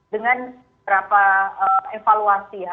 dengan beberapa evaluasi ya